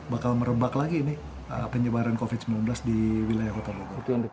bakal merebak lagi ini penyebaran covid sembilan belas di wilayah kota bogor